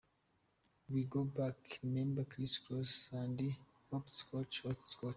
We go back, remember criss-cross and hopscotch, hopscotch?.